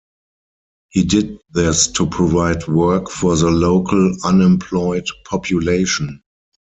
He did this to provide work for the local unemployed population.